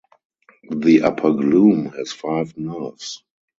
The upper glume has five nerves.